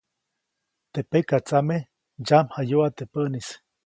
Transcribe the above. Teʼ pekatsame ndsyamjayuʼa teʼ päʼnis.